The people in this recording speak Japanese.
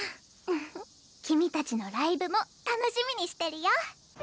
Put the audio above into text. フフッ君たちのライブも楽しみにしてるよ。